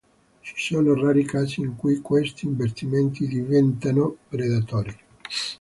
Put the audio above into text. Ci sono rari casi in cui questi investimenti diventano predatori.